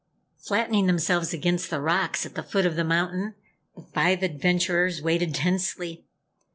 Flattening themselves against the rocks at the foot of the mountain, the five adventurers waited tensely.